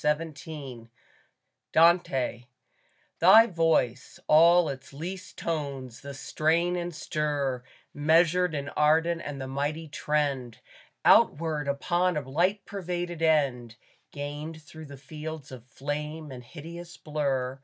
131 XXVIII DANTE THY voice all its least tones, the strain and stir Measured and ardent, and the mighty trend Outward upon a light pervaded end, Gained through the fields of flame and hideous blur.